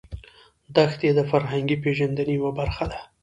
دښتې د فرهنګي پیژندنې یوه برخه ده.